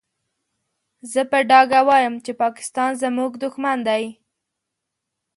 زه په ډاګه وايم چې پاکستان زموږ دوښمن دی.